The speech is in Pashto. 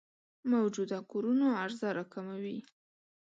موجوده کورونو عرضه راکموي.